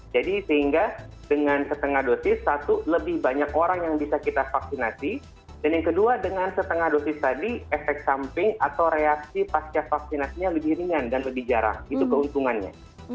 jadi sehingga dengan setengah dosis satu lebih banyak orang yang bisa kita vaksinasi dan yang kedua dengan setengah dosis tadi efek samping atau reaksi pasca vaksinasinya lebih ringan dan lebih jarang itu keuntungannya